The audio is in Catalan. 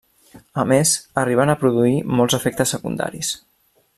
A més arriben a produir molts efectes secundaris.